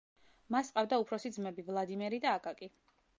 მას ჰყავდა უფროსი ძმები: ვლადიმერი და აკაკი.